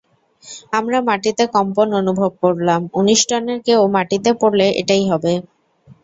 আমরা মাটিতে কম্পন অনুভব করলাম, উনিশ টনের কেউ মাটিতে পড়লে এটাই হবে।